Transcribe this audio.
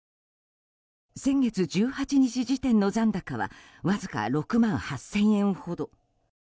先月１８日時点の残高はわずか６万８０００円ほど。